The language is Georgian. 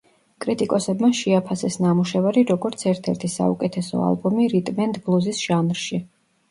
კრიტიკოსებმა შეაფასეს ნამუშევარი, როგორც ერთ-ერთი საუკეთესო ალბომი რიტმ-ენდ-ბლუზის ჟანრში.